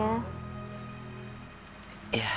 dia mencari saya